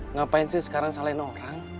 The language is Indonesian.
ngapain sih sekarang salahin orang